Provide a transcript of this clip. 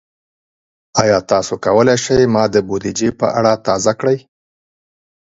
ایا تاسو کولی شئ ما د بودیجې په اړه تازه کړئ؟